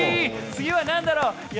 次は何だろう